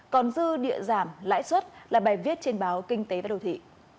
còn dư địa giảm lãi suất là bài viết trên báo kinh tế và đầu thị